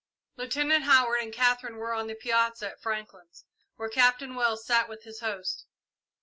Lieutenant Howard and Katherine were on the piazza at Franklin's, where Captain Wells sat with his hosts.